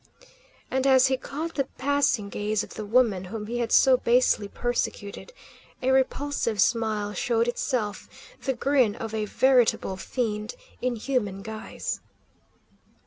And as he caught the passing gaze of the woman whom he had so basely persecuted, a repulsive smile showed itself, the grin of a veritable fiend in human guise.